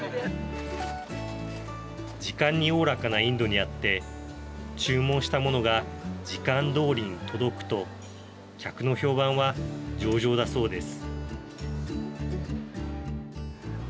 時間におおらかなインドにあって注文したものが時間どおりに届くと客の評判は上々だそうです。